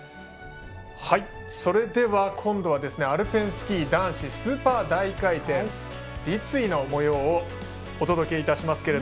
それでは、今度はアルペンスキー男子スーパー大回転立位のもようをお届けいたします。